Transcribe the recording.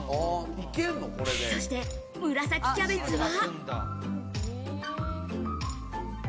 そして紫キャベツは。